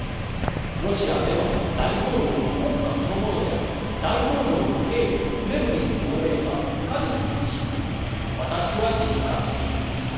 ロシアでは大統領は国家そのものであり大統領の警備とクレムリンの防衛がいかに厳しいのか私は実感しています。